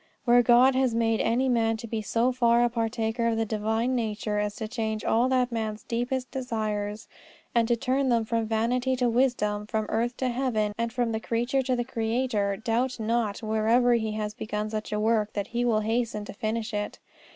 Where God has made any man to be so far a partaker of the Divine nature as to change all that man's deepest desires, and to turn them from vanity to wisdom, from earth to heaven, and from the creature to the Creator, doubt not, wherever He has begun such a work, that He will hasten to finish it.